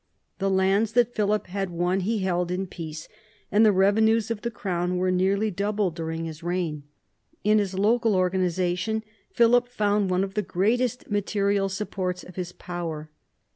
The lands that Philip had won he held in peace; and the revenues of the crown were nearly doubled during his reign. In his local organisation Philip found one of the greatest material supports of his power.